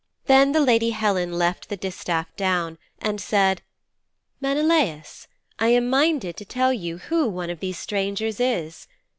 Then the lady Helen left the distaff down and said, 'Menelaus, I am minded to tell you who one of these strangers is.